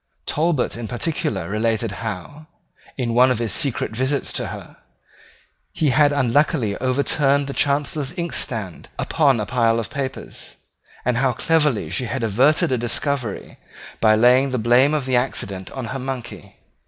Talbot in particular related how, in one of his secret visits to her, he had unluckily overturned the Chancellor's inkstand upon a pile of papers, and how cleverly she had averted a discovery by laying the blame of the accident on her monkey.